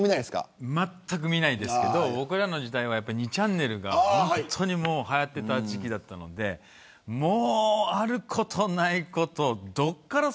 まったく見ないですけど僕らの時代は２ちゃんねるが本当にはやっていた時期だったのであることないこと、どこから。